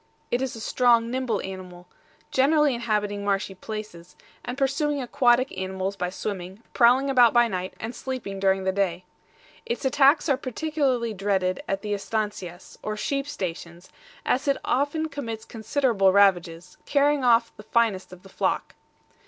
It is a strong, nimble animal, generally inhabiting marshy places, and pursuing aquatic animals by swimming, prowling about by night and sleeping during the day. Its attacks are particularly dreaded at the ESTANCIAS, or sheep stations, as it often commits considerable ravages, carrying off the finest of the flock.